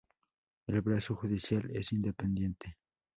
El brazo judicial es independiente.